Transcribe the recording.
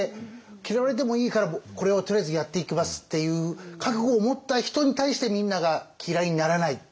嫌われてもいいからこれをとりあえずやっていきますっていう覚悟を持った人に対してみんなが嫌いにならない。